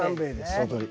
そのとおり。